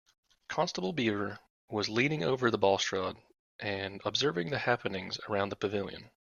Constable Beaver was leaning over the balustrade and observing the happenings around the pavilion.